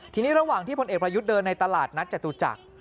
ทีนี้ระหว่างที่พลเอกประยุทธ์เดินในตลาดนัดจตุจักร